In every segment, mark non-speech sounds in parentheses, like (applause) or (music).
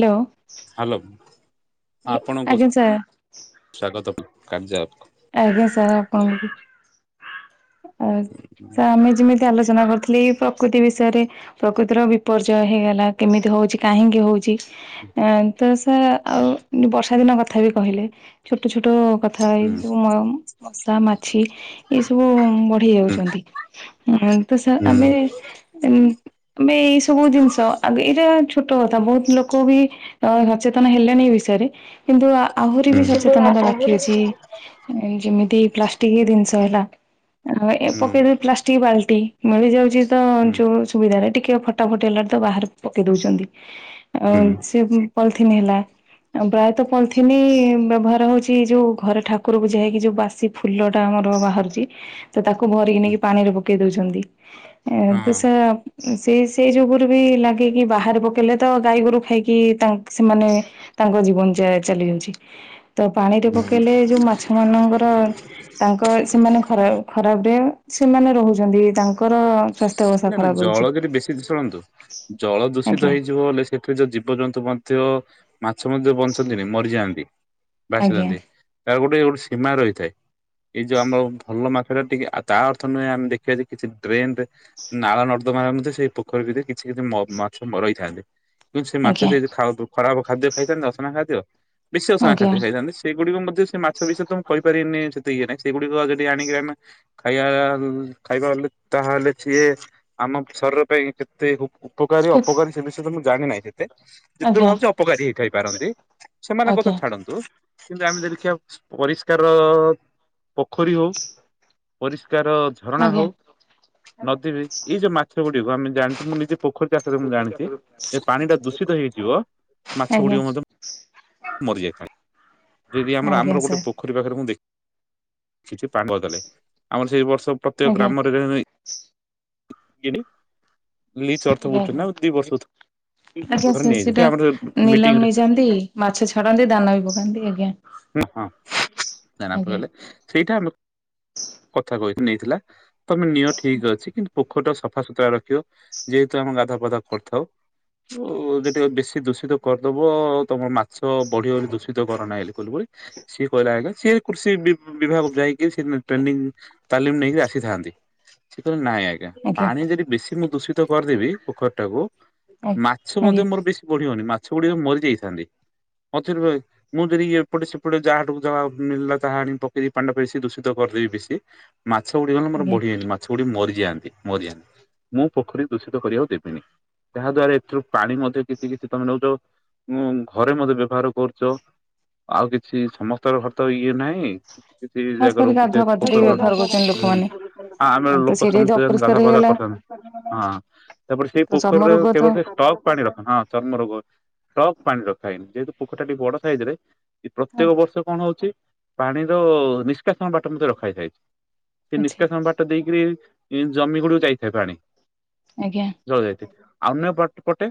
Hello hello hello ଆପଣଙ୍କୁ ଆଜ୍ଞା sir. ସ୍ଵାଗତ କାର୍ଯ୍ୟ ଆଜ୍ଞା ସାର୍ ଆ ତ ଆମେ ଯେମିତି ଆଲୋଚନା କରିଥିଲେ କି ପ୍ରକୃତି ବିଷୟରେ ପ୍ରକୃତିର ବିପର୍ଯ୍ୟୟ ହେଇଗଲା। କେମିତି ହଉଛି, କାହିଁକି ହଉଛି? ତ ସାର୍ ହୁଁ ଆଉ ବର୍ଷା ଦିନ କଥା କଥା ବି କହିଲେ ଛୋଟ ଛୋଟ କଥାଇ ହୁଁ ମଶା ମାଛି ଏସବୁ ବଢେଇ ହୁଁ ହୁଁ ଯାଉଛନ୍ତି ତ ଆମେ ହୁଁ ଆ ଏଇ ସବୁ ଜିନିଷ ଆଗ ଏଇଟା ଛୋଟ କଥା ବହୁତ ଲୋକ ବି ସଚେତନ ହେଲେଣିି ଏଇ ବିଷୟରେ କିନ୍ତୁ ଆହୁରି ବି ହୁଁ ହଁ ସଚେତନତା ବାକି ଅଛି। ଯେମିତି ପ୍ଲାଷ୍ଟିକ ଜିନିଷ ହେଲା । ଆଉ ଏ ପକେଇଦେବି ପ୍ଲାଷ୍ଟିକ ବାଲ୍ଟି । ମିଳି ଯାଉଛି । ତ ଯୋଉ ସୁବିଧା ଟା ଟିକେ । ଟକେ ଫଟା ଫଟି ହେଲାଟୁ ତାକୁ ବାହାରକୁ ପକେଇ ଦେଉଛନ୍ତି । ଆଉ ହୁଁ ସିଏ ପଲ - ଥିନ ହେଲା ।ପ୍ରାୟ ତ ପଲଥିନ ବ୍ୟବହାର ହଉଛି ଏ ଯୋଉ ଘର ଠାକୁର । ଠାକୁର ପୂଜା ହେଇକି ଯୋଉ ବାସି ଫୁଲ ଟା ଆମର ବାହାରୁଛି! ତ ତାକୁ ଭରିକି ନେଇି ପାଣିରେ ପ ପକେଇ ଦଉଛନ୍ତି । ଏମତି ସେ ସେଇ ସେଇ ଯୋଗୁରୁ ବି ଲାଗେକି ବାହାରେ ପକେଇଲେ ତ ଗାଈ ଗୋରୁ ଖାଇକି ସେମାନେ ତାଙ୍କ ଜୀବନ ଚାଲି ଯାଉଛି । ତ ପାଣିରେ ପକେଇଲେ ଯୋଉ ମାଛ ମାଛ ମାନଙ୍କର ତାଙ୍କ ସେମାନେ ଖରା ଖରାପ ବି । ସେମାନେ ରହୁଛନ୍ତି ତାଙ୍କର । ନାଇ ନାଇଁ ଜଳ ଯଦି ବେଶୀ ଦୂସି ଶୁନନ୍ତୁ ଜଳ ଦୂଷିତ ଆଜ୍ଞା ହେଇଯିବ ହେଲେ ସେଠୁ ଯୋଉ ଜୀବ ଜନ୍ତୁ । ତୋ । ମାଛ ମଧ୍ୟ ବଞ୍ଚନ୍ତନି ମରିଯାଆନ୍ତି । ଆଜ୍ଞା ଭାଶୁଚନ୍ତି ତା ଗୋଟେ ଗୋଟେ ସୀମା ରହିଥାଏ । ଏଇ ଯୋଉ ଆମ ଭଲ ମା ସେଟା ଟିକେ ତା ଅର୍ଥ ନୁହେଁ ଆମେ ଦେଖିବା କିଛି ଡ୍ରେନ ରେ ନାଳ ନର୍ଦ୍ଦମା ରେ ମଧ୍ୟ ସେଇ ପୋଖରୀ ଭିତରେ କିଛି କିଛି ମାଛ ରହିଥାନ୍ତି । କିନ୍ତୁ ସେ ମାଛ ଆଜ୍ଞା ସେ ଯେ ହେତୁ ଖରାପ ଖାଦ୍ୟ ଖାଇଥାନ୍ତି ଅସନା ଖାଦ୍ୟ । ବିସି ଅସନା ଆଜ୍ଞା ଖାଦ୍ୟ ଖାଇଥାନ୍ତି ସେଗୁଡିକ ମଧ୍ୟ ସେ ମାଛ ବିଷୟରେ ତ ମୁଁ କହିପାରିବିନି । ସେତେ ଇଏ ନାଇଁ ସେଗୁଡିକ ଯଦି ଆଣିକି ଆମେ ଖାଇବା ଖାଇବାଲେ ତାହେଲେ । ସିଏ ଆମ ଶରୀର ପାଇଁ କେତେ ଉପ ଉପକାରୀ ଅପକାରୀ ସେ ବିଷୟରେ ତମୁଁ ଜାଣି ନାଇଁ । ଏତେ ଯେଥିରୁ ଆଜ୍ଞା ଭାବୁଛି ଅପକାରୀ ହେଇ ଥାଇ ପାରନ୍ତି ସେମାନଙ୍କଥା ଆଜ୍ଞା ଛାଡନ୍ତୁ କିନ୍ତୁ ଆମେ ଯଦି ଦେଖିବା । ପରିଷ୍କାର ପୋଖରୀ ହଉ ପରିଷ୍ କାର ଝରଣା ଆଜ୍ଞା ହେଉ । ନଦୀ ବି ଏଇ ଯୋଉ ମା ଛ ଗୁଡ଼ିକ ଆମେ ଜାଣୁ ଆମେ ନିଜେ ପୋଖରୀ ଚାଷରେ ମୁଁ ଜାଣିଛି ଯେ ପାଣି ଟା ଦୂଷିତ ହେଇଯିବ ମାଛ ଆଜ୍ଞା ଗୁଡିକ ମଧ୍ୟ ମରିଯାଇଥାଏ ଯଦି ଆମର ଆଜ୍ଞା ଆମର ଗୋଟେ ସାର୍ ପୋଖରୀ ପାଖରେ ମୁଁ ଦେଖ କିଛି ପାଣି ମରିଗଲେ ଆମର ସେଇ ବର୍ଷ ପ୍ରତ୍ୟେକ ଗ୍ରାମ ଆଜ୍ଞା ରେ (unintelligible) (unintelligible) ଅର୍ଥ ବୁଝୁଛନ୍ତି ନା ଦି ବର୍ଷ ଆଛା ଥରେ ସାର ନେଇଯାନ୍ତି ସେଟା ଆମର ନିଲାମ ମିଟିଂରେ ନେଇଯାନ୍ତି ମାଛ ଛାଡନ୍ତି ଦାନା ବି ପକାନ୍ତି ଆଜ୍ଞା। ହ ହଁ ଦାନ ଆଜ୍ଞା ପକେଇଲେ ସେଇଟା ଆମେ। କଥା କହିକି ନେଇଥିଲା ତମେ ନିଅ ଠିକ ଅଛି କିନ୍ତୁ ପୋଖରୀ ଟାକୁ ସ ସଫାସୁତୁରା ରଖିବ ଯେହେତୁ ଆମେ ଗାଧା ପାଧା କରିଥାଉ ଯୋଉ ଏବେ ଟିକେ ବେଶୀ ଦୂଷିତ କରିଦବ ଆଉ ତମର ମାଛ ବଢିବ ବୋଲି ଦୂଷିତ କର ନାହିଁଲେ। (unintelligible) ସିଏ କହିଲା ଆଜ୍ଞା ସି କୃଷି ବି ବିଭାଗ ଯାଇକି ସେ ଟ୍ରେନି ତାଲିମ ନେଇକି ଆସିଥାନ୍ତି। ନାଇଁ ଆଜ୍ଞା ପାଣି ଯଦି ବେଶୀ ମୁଁ ଦୂଷିତ କରିଦେବି ପୋଖରୀ ଟାକୁ ଆଜ୍ଞା ମାଛ ମଧ୍ୟ ଆଜ୍ଞା ମୋର ବେଶୀ ବଢିବନି ମାଛ ସେଗୁଡିକ ମରିଯାଇଥାନ୍ତି ମଝିରେ ରହି ମୁଁ ଯଦିଏ ଏପଟେ ସେପଟେ ଯାହାଡକୁ ଯହା ମିଳିଲା ତାହା ଆଣିକି ପକେଇକି ପାଣି ଟା ବେଶୀ ଦୂଷିତ କରିଦେବି ବେଶୀ ମାଛ ଗୁଡିକ ମୋର ଆଜ୍ଞା ବଢ଼ିବେନି ମାଛ ଗୁଡିକ ମରି ଯାଆନ୍ତି ମରିଯିଆନ୍ତି ମୁଁ ପୋଖରୀ ଦୂଷିତ କରିବାକୁ ଦେବିନି ତାହା ଦ୍ଵାରା ଏଥିରୁ ପାଣି ମଧ୍ୟ କିଛି କିଛି ତମେ ନଉଚ ମୁଁ ଘରେ ମଧ୍ୟେ ବ୍ୟବହାର କରୁଚ ଆଉ କିଛି ସମସ୍ତଙ୍କ ଘର ତ ଇଏ ନାହିଁ। କିଛି କିଛି ଖାସ୍ ଜାଗ ର କରି ଗାଧୁଆ ପାଧୁଆରେ ବି ବ୍ୟବହାର କରୁଛନ୍ତି ଯେହତୁ ଲୋକମାନେ। ଆମର ତ ଲୋକ ସେଇଟା ଯଦି ସମସ୍ତେ ଅପରିଷ୍କାର ଗାଧା ଫାଧା ହେଇଗଲା କରିଥାନ୍ତି ହଁ ତାପରେ ସେଇ ତ ଚର୍ମ ପୋଖରୀରେ ରୋଗ ତ କେବଳ ଷ୍ଟକ ପାଣି ରଖନି ହଁ ଚର୍ମ ରୋଗ ଷ୍ଟକ୍ ପାଣି ରଖାହେନି ଯେହେତୁ ପୋଖରୀ ଟା ଟିକେ ବଡ ସାଇଜ ରେ ଏ ପ୍ରତ୍ୟେକ ବର୍ଷ କଣ ହଉଛି ପାଣିର ନିଷ୍କାସନ ବାଟ ମଧ୍ୟ ରଖା ହେଇଥାଇଛି। ସେ ଆଚ୍ଛା ନିଷ୍କାସନ ବାଟ ଦେଇକିରି ଜମି ଗୁଡକୁ ଯାଇଥାଏ ପାଣି। ଆଜ୍ଞା ଜଳ ଯାଇଥାଏ। ଅନ୍ୟ ପଟେ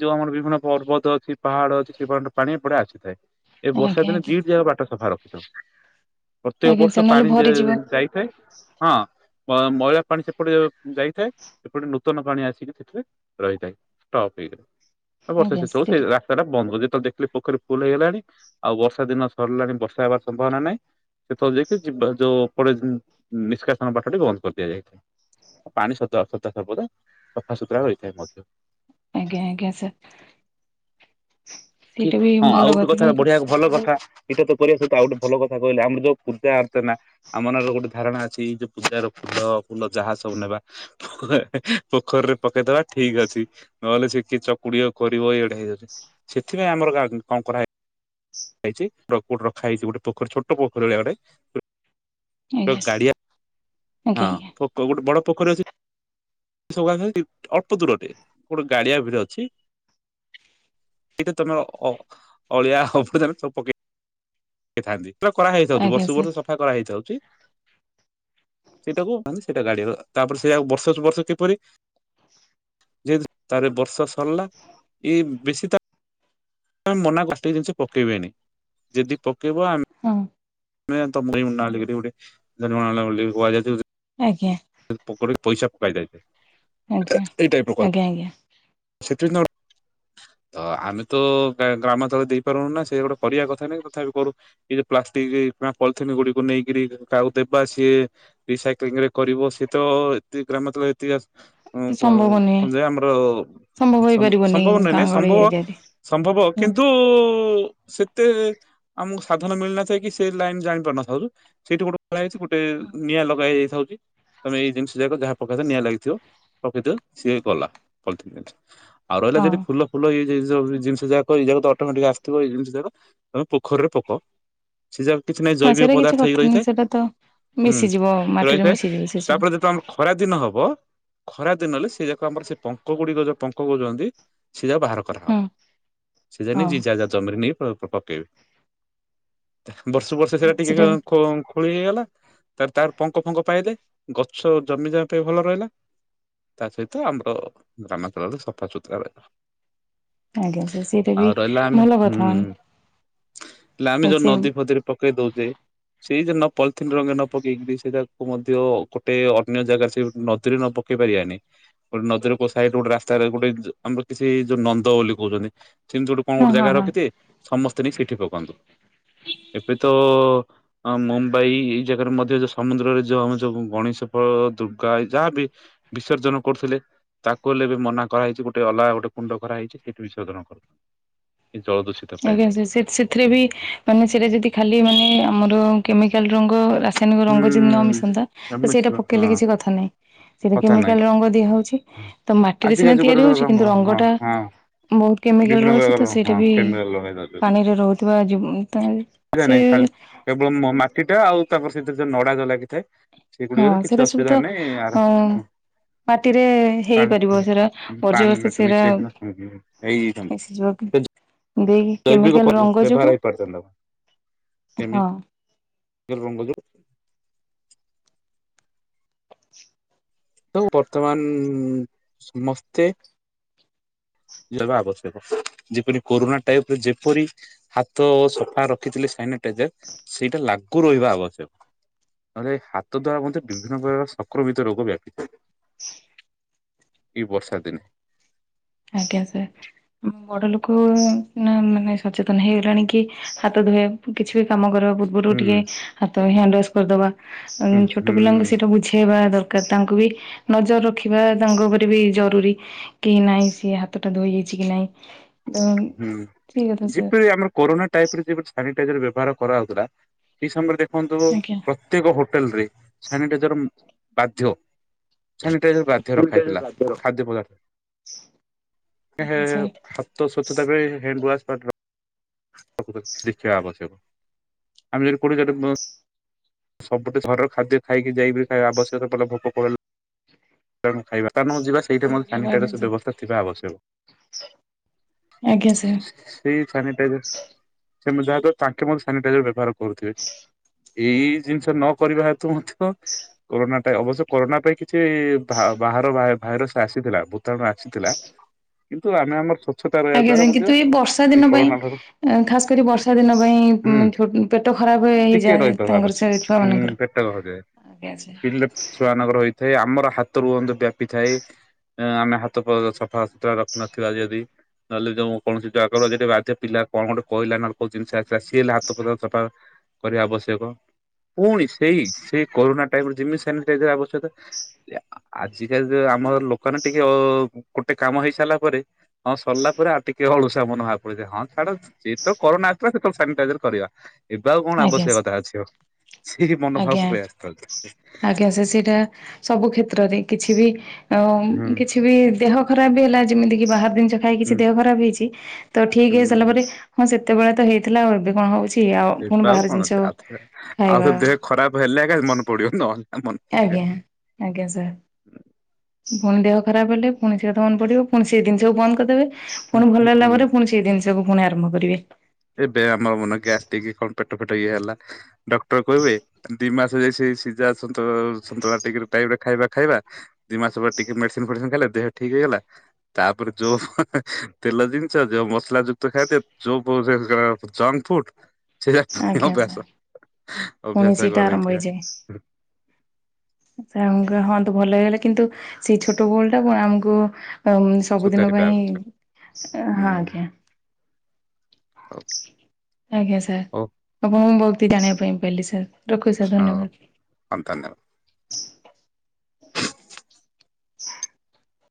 ଯୋଉ ଆମର ବିଭିନ୍ନ ପର୍ବତ ଅଛି ପାହାଡ ଅଛି ସେ ପାହା ପାଣି ଏପଟେ ଆସିଥାଏ। ଏ ବର୍ଷା ଆଜ୍ଞା ଦିନେ ଆଜ୍ଞା ଦିଟି ଯାକ ବାଟ ସଫା ରଖିଥାଉ ପ୍ରତ୍ୟେକ ଆଜ୍ଞା ସାର୍ ବର୍ଷ ନହେଲେ ପାଣି ଭରିଯିବ ଯାଇଥାଏ ହଁ। ମଇଳା ପାଣି ସେପଟେ ଯାଇଥାଏ ସେପଟେ ନୂତନ ପାଣି ଆସିକି ସେଥିରେ ରହିଥାଏ ଷ୍ଟପ ହେଇକ। ବର୍ଷା ଆଜ୍ଞା ଶେଷ ହଉ ସେଇ ସେଠି ରାସ୍ତା ଟା ବନ୍ଦ କରିଦଉ ଦେଖିଲି ପୋଖରୀ ଫୁଲ ହେଇଗଲାଣି ଆଉ ବର୍ଷା ଦିନ ସରିଲାଣି ବର୍ଷା ହେବାର ସମ୍ଭାବନା ନାହିଁ ଯାଇକି ଯ ଯୋଉ ନିଷ୍କାସନ ବାଟଟି ବନ୍ଦ କରିଦିଆଯାଇଥାଏ ଆଉ ପାଣି ସଦା ସର୍ବଦା ସଫାସୁତୁରା ରହିଥାଏ ମଧ୍ୟ। ଆଜ୍ଞା ଆଜ୍ଞା ସାର୍। କି ସେଇଟା ବି ହଁ ଭଲ ଆଉ ଗୋଟେ କଥା ହେଲା କିନ୍ତୁ ବଢିଆ ଭଲ କଥା ଏଇଟା ତ କରିବା କଥା ଆଉ ଗୋଟେ ଭଲ କଥା କହିଲ ଆମର ଯୋଉ ପୂଜା ଅତେ ନା ଆମ ମନରେ ଗୋଟେ ଧାରଣା ଅଛି ଯେ ପୂଜାର ଫୁଲ ଫୁଲ ଯାହା ସବୁ ନେବା ପୋଖରୀରେ ପକେଇଦବା ଠିକ ଅଛି ନହେଲେ ସେ କିଏ ଚକୁଡି କରିବ ଏଇଟା ହେଇଯାଉଛି। ସେଥିପାଇଁ ଆମର କଣ କରାହଇଛି? ରଖାଯାଇଛି ଗୋଟେ ପୋଖରୀ ଛୋଟ ପୋଖରୀ ଭଳିଆ ଗୋଟେ ଆଜ୍ଞା ଗାଡିଆ ଆଜ୍ଞା ହଁ ଆଜ୍ଞା ପ ଗୋଟେ ବଡ ପୋଖରୀ ଅଛି। ଅଳ୍ପ ଦୂରରେ ଗୋଟେ ଗାଡିଆ ଭରେ ଅଛି ସେଟା ତମର ଅ ଅଳିଆ (unintelligible) କେଥାନ୍ତି। କରା ହେଇ ଯାଉଛି ଆଜ୍ଞା ବର୍ଷ ସାର୍ ବର୍ଷ ସଫା କରା ହେଇଯାଉଛି। ସେଟା କନ୍ତି ସେଇଟା ଗାଡି ତାପରେ ସେଆା ବର୍ଷ ସୁ ବର୍ଷ କିପରି ଯେହେତୁ ତାରେ ବର୍ଷା ସରିଲା ଇ ବେଶୀ ତ (inaudible) ମନା କ ଟିକେ ଜିନିଷ ପକେଇବେନି ଯଦି ପକେଇବ ହଁ ତାଇ ମୂ ନଲଗରି ଆଜ୍ଞା (unintelligible) ପ ପଇସା। ପାଦାଇ ଆଜ୍ଞା ଆଜ୍ଞା ଆଜ୍ଞା। ସେଥିପାଇଁ ତ ତ ଆମେ ତ ଗ୍ରାମାଞ୍ଚଳ ଦେଇପାରୁନୁ। ନା ସେ ଗୋଟେ କରିବା କଥା ନାଇଁ ତଥାପି କରୁ ଇ ପ୍ଲାଷ୍ଟିକ କି ପଲିଥିନ୍ ଗୁଡିକୁ ନେଇକିରି କାହାକୁ ଦେବା ସିଏ, ରିସାଇକଲିଂ ରେ କରିବ ସେଏ ତ ଏ ଗ୍ରାମାଞ୍ଚଳରେ ଏତିକି। ହଁ ଏତେ କଣ ସମ୍ଭବ କ ନୁହେଁ ଯ ଆମର ସମ୍ଭବ ହେଇପାରିବନି ସମ୍ଭବ ନହିଁ ଗାଁ ନାଇଁ ଗହଳି ସମ୍ଭବ ଏରିଆରେ ସମ୍ଭବ କିନ୍ତୁ ସେତେ ଆମକୁ ସାଧନ ମିଳିନଥାଏ କି ସେ ଲାଇନ ଜାଣିପାରିନଥାଉ, ସେଇଠୁ ଗୋଟେ ନାଇଁ ସେ ଗୋଟେ ନିଆଁ ଲଗାଇଛି। କଥା ହଉଛି ତମେ ଏଇ ଜିନିଷ ଯାକ ଯାହା ପକେଇ ନିଆଁ ଲାଗିଥିବ ପକେଇଥିବ ସିଏ ଗଲା। ଆଉ ରହିଲା ହଁ ଯଦି ଫୁଲ ଫୁଟି ଜିନିଷ ଯାକ ଏଇ ଯାକ ତ ଅଟୋମେଟିକ ଆସିଥିବ ଏଇ ଜିନିଷ ଯାକ ତମେ ପୋଖରୀରେ ପକ। ସେ ଯାକ କିଛି ନାହିଁ ହଁ ଜୈବିକ ସେଇଟା କିଛି ପଦାର୍ଥ ହେଇ କଥା ନାହିଁ ରହିଥାଏ ସେଇଟା ତ ହୁଁ ମିଶିଯିବ ମାଟିରେ ରହିଥାଏ ମିଶିଯିବ ସେ ସବୁ ତାପରେ ଯେବେଳେ ଆମର ଖରା ଦିନ ହବ ଖରା ଦିନ ହେଲେ ସେ ଯାକ ଆମର ସେ ପଙ୍କ ଗୁଡିକ ଯୋଉ କ କହୁଛନ୍ତି? ଯା ବାହାର କରାହବ ହଁ ସେ ଯା ହଁ ଯି ଯାହା ଯାହା ଜମିରେ ନି ଉପରେ ପକେଇବି। ବର୍ଷେ ବର୍ଷ ସେଟା ଟିକେ ସେଇଟା ଖୋଳି ହେଇଗଲା! ତା ତାର ପଙ୍କ ଫଙ୍କ ପାଇଦଲେ ଗଛ ଜମି ଜିବା ପାଇଁ ଭଲ ରହିଲା ତା ସହିତ ଆମର ଗାମ? ଆ ସପା ସୁତାରେ ଆଜ୍ଞା ସେ ସେଇଟା ବି ଆଉ ରହିଲା ଆମେ ଭଲ ହୁଁ କଥା ହେଲେ ଆମେ ମାନେ ଯୋଉ ସେ ନଦୀ ଫଦରେ ପକେଇ ଦଉଛେ! ସେଇ ଜ ପ ରଙ୍ଗେ ନ ପକେଇ ସେଇ ମଧ୍ୟ ଗୋଟେ ଅନ୍ୟ ଜାଗାରେ ସେ ନଦୀରେ ନ ପକେଇ ପାରିବାନି ଗୋଟେ ନଦୀରେ କୋ ଗୋଟେ ରାସ୍! ତାର ଗୋଟେ ଆମର କିଛି ଯୋଉ ନନ୍ଦ ବୋଲି କହୁଛନ୍ତି ସେମିତି ଗୋଟେ କଣ ହଁ ଗୋଟେ ହଁ ଜାଗା ହଁ ରଖିଥେ ସମସ୍ତେ ନେଇ ସେଇଠି ପକାନ୍ତୁ। ଏବେ ତ? ମୁମ୍ବାଇ ଏଇ ଜାଗାରେ ମଧ୍ୟ ଯୋଉ ସମୁଦ୍ରରେ ଯୋଉ ଆମ ଯୋଉ ଗଣେଶ ଫଳ ଦୁର୍ଗା ଯାହା ବି ବିସର୍ଜନ କରୁଥିଲେ ତାକୁ ହେଲେ? ମନା କରାହେଇଛି ଗୋଟେ ଅଲଗା ଗୋଟେ କୁଣ୍ଡ କରାହେଇଛି ସେଠି ବିଶୋଜନ କରୁ ଆଜ୍ଞା ସେଥିରେ ବି ମାନେ ସେଟା ଯଦି ଖାଲି ମାନେ ଆମର କେମିକାଲ ରଙ୍ଗ ରାସାୟନିକ ହୁଁ ରଙ୍ଗ ଯଦି ନ ମିଶନ୍ତା ତ ଆମେ ସେଇଟା ହଁ ପକେଇଲେ କିଛି କଥା ନାହିଁ ସେଇଟା କଥା ନାହିଁ କେମିକାଲ ରଙ୍ଗ ଦିଆହେଉଛି ତ ମାଟିରେ ଆଜିକା ସିନା ଯୁଗର ତିଆରି ରଙ୍ଗ ହଉଛି କିନ୍ତୁ ହଁ ରଙ୍ଗଟା ହଁ ବହୁତ କେମିକାଲ ବିଭିନ୍ନ ରହୁଛି ପ୍ରକାର ତ ସେଇଟା ହଁ ବି ପାଣିରେ ରହୁଥିବା ସେ ନାଇଁ ଖାଲି କେବଳ ମାଟିଟା ଆଉ ତାପରେ ସେରେ ଯୋଉ ନଡା ଲାଗିଥାଏ ହଁ ସେଗୁଡିକରେ କିଛି ସେଟା ସବୁ ଅସୁବିଧା ତ ନାହିଁ ଆର ଅ ମାଟିରେ ପାଣି ହେଇପାରିବ ସେଟା ବର୍ଜ୍ୟବସ୍ତ ପାଣି ସେଟା ମିଶେଇ ହେଇଯାଇଥାନ୍ତା ମିସିଯିବ। ସେ ଜୈବିକ ବ୍ୟବହାର ହେଇପାରଥାନ୍ତା (inaudible) ସେବି ହଁ (inaudible) କଣ କହୁଚୁ। (unintelligible) ତ ବର୍ତ୍ତମାନ ସମସ୍ତେ ଯବା ଆବଶ୍ୟକ ଯେପରି କୋରୋନା ଟାଇପ ରେ ଯେପରି ହାତ ସଫା ରଖିଥିଲେ ସାନିଟାଇଜର ସେଇଟା ଲାଗୁ ରହିବା ଆବଶ୍ୟକ ନହେଲେ ହାତ ଦ୍ଵାରା ମଧ୍ୟ ବିଭିନ୍ନ ପ୍ରକାର ସଂକ୍ରମିତ ରୋଗ ବ୍ୟାପିଥିଲେ (inaudible) ଏଇ ବର୍ଷା ଦିନେ? ଆଜ୍ଞା ସାର୍ ବଡ ଲୋକ ନା ମାନେ ସଚେତନ ହେଇଗଲାଣି କି ହାତ ଧଏ କିଛି ବି କାମ କର ପୂର୍ବରୁ ହୁଁ ଟିକେ ହାତ ହ୍ୟାଣ୍ଡ ୱାସ କରିଦବା ହୁଁ ଛୋଟ ହୁଁ ପିଲାଙ୍କୁ ସେଇଟା ବୁଝେଇବା ଦରକାର। ତାଙ୍କୁ ବି ନଜର ରଖିବା ତାଙ୍କ ଉପରେ ବି ଜରୁରୀ କି ନାହିଁ। ସି ହାତ ଟା ଧୋଇ ଯାଇଛି କି ନାଇଁ ଠିକ ହୁଁ କଥା ସାର୍ ଯେପରି ଆମର କୋରୋନା ଟାଇପ ରେ ଯେରି ବ୍ୟବହାର କରାଯାଉଥିଲା ସେଇ ସମୟରେ ଦେଖନ୍ତୁ ଆଜ୍ଞା ପ୍ରତ୍ୟେକ ହୋଟେଲ ରେ ସାନିଟାଇଜର ବାଧ୍ୟ। ସାନିଟଜର ବାଧ୍ୟ ରଖା ହେଇଥିଲା ଖାଦ୍ୟ ପଦାର୍ଥ (inaudible) ହେ ଆଜ୍ଞା ସାର୍ ସଚଛତା ବେଳେ (unintelligible) (unintelligible) (unintelligible) ସବୁଠୁ ଘରର ଖାଦ୍ୟ ଖାଇକି ଯାଇକି ଆବଶ୍ୟକତା ପଡିଲେ ଭୋକ ପ ଖାଇବା ନ ଯିବା ସେଇଠା ମଧ୍ୟ ଆଜ୍ଞା ସାନିଟାଇଜର ସାର୍ ବ୍ୟବସ୍ଥା ଥିବା ଆବଶ୍ୟକ ଆଜ୍ଞା ସାର୍ (inaudible) ସେଇ ସାନିଟାଇଜର ସେ ଯାହାକ ତାଙ୍କେ ମ ସାନିଟାଇଜର ବ୍ୟବହାର କର କରୁଥିବେ। ଏଇ ଜିନିଷ ନ କରିବା ହେତୁ ମଧ୍ୟ କରୋନାଟ ଅବଶ୍ୟ କରୋନା ପାଇଁ କିଛି ବାହାର ଭାଇରସ ଆସିଥିଲା ଭୂତାଣୁ ଆସିଥିଲା କିନ୍ତୁ ଆମେ ଆମର ସ ଆଜ୍ଞା ଆଜ୍ଞା କିନ୍ତୁ ଏଇ ବର୍ଷା ଦିନ ପାଇଁ ଠାରୁ ଖାସ କରି ବର୍ଷା ଦିନ ହୁଁ ପାଇଁ ପେଟ ଖରାପ ଟିକେ ହେଇଯାଏ ରହିଥିବା ତାଙ୍କର ଆବଶ୍ୟକ। ସହିତ ହୁଁ ପେଟ କଜାଏ ପିଲିଲେ ଛୁଆ ନଗର ହେଇ ଆମର ହାତ ରୁହନ୍ତୁ ବ୍ୟାପିଥାଏ ଆମେ ହାତ ସଫାସତୁରା ରଖୁନଥିଲା ଯଦି ନହେଲେ ଯୋଉ କୌଣସି ଜାଗର ଯି ବାଧ୍ୟ ପିଲା କଣ ଗୋଟେ କହିଲା ନା କୋଉ ଜିନିଷ ଆସିଲା ସିଏ ହେଲେ ହାତ ଫ ସଫା କରିବା ଆବଶ୍ୟକ ପୁଣି ସେଇ ସେଇ କରୋରୋନା ଟାଇମରେ ଯେମିତି ସାନିଟାଇଜର ଆବଶ୍ୟକ ଆଜିକାଲି ଆମର ଲୋକାନ ଟିକେ ଗୋଟେ କାମ ହେଇ ସାରିଲା ପରେ ହଁ ସରିଲା ପରେ ଆଉ ଟିକେ ଅଳୁସା ମନ ହବା ପଡଥାଏ ହଁ ଛାଡ ଯେତବେ କରୋନା ଆସଥିଲା ସେତେବେଳେ ସାନିଟାଇଜର କରିବା। ଏବେ ଆଉ କଣ ଆଜ୍ଞା ସାର୍ ଆବଶ୍ୟକତା ଅଛି ଆଉ। ସେଇ ମନୋଭାବ ଆଜ୍ଞା ପଳେଇ ଆସିଥାଉଛି ଆଜ୍ଞା ସେ ସେଇଟା ସବୁ କ୍ଷେତ୍ରରେ କିଛି ବି ଆଉ ହୁଁ କିଛି ବି ଦେହ ଖରାପ ବି ହେଲା ଯେମିତି କି ବାହାରିନ। ହୁଁ ଖାଇକି ଦେହ ଖରାପ ହେଇଛି ତ ଠିକ ହେଇସାରିଲା ହୁଁ। ପରେ ହଁ କେତେବେଳେ ତ ହେଇଥିଲା ଆଉ ଏବେ କଣ ହଉଛି। ଆଉ କୁଣ ଏବେ ଆଉ ବାହାର କଣ ଜିନିଷ ଅଛି ଆଉଥରେ ଖାଇବା ଆଉ ଦେହ ଖରାପ ହେଲେ ଏକା ମନ ପଡିବ ନହଲେ। ଆଜ୍ଞା ଆଜ୍ଞା ସାର୍। ପୁଣି ଦେହ ଖରାପ ହେଲେ ପୁଣି ସେ କଥା ମନ ପଡିବ ପୁଣି ସେ ଜିନଷକୁ ବନ୍ଦ କରିଦେବେ। ହୁଁ ପୁଣି ହୁଁ। ଭଲ ହେଲା ପରେ ପୁଣି ସେଇ ଜିନିଷକୁ। ପୁଣି ଆରମ୍ଭ କରିବେ। ଏ ବେୟ ଆମ ମାନେ ଗ୍ୟାସ୍ ଟ କଣ ପେଟ। ପଟଏଲା। ଡକ୍ଟର କହିବେ ଦି ମାସ। ସେ ସିା (unintelligible) ତ ସନ୍ତୁଳା ଟିକ ଟାଇମରେ। ଖାଇବା ଖାଇବା ଦି ମାସ ପରେ ଟିକେ ମେଡିସିନ ଫେଡିସିନ ଖାଇଲେ ଦେହ ଠିକ ହେଇଗଲା ତାପରେ ଯୋଉ ତେଲ ଜିନିଷ ଯୋଉ ମସଲା ଯୁକ୍ତ ଖାଇଦି ଯୋଉ ବ ଯଙ୍କଫୁଡ। ସେଯା ଆଜ୍ଞା ଅଭ୍ଯସ ସାର୍ ପୁଣି ସେଇଟା ଆରମ୍ଭ ହେଇଯାଏ। ସେ (unintelligible) ଭଲେ ହେଲେ କିନ୍ତୁ ସେଇ ଛୋଟ ଭୁଲ୍ ଟାକୁ ଆମକୁ ସବୁଦିନ ସୁଧାରି ପାଇଁ ପାରୁଛ ହୁଁ ହଁ ଆଜ୍ଞା ହଉ ଆଜ୍ଞା ସାର୍ ହଉ ଆପ ତି ଜାଣିବା ପାଇଁ କଲି ସାର୍ । ରଖୁଛି ଧନ୍ୟବାଦ। (inaudible)